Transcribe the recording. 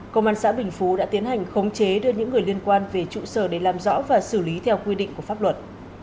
công an xã bình phú đã tiến hành khống chế đưa những người liên quan về trụ sở để làm rõ và xử lý theo quy định của pháp luật